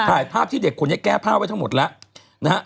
ถ่ายภาพที่เด็กคนนี้แก้ผ้าไว้ทั้งหมดแล้วนะฮะ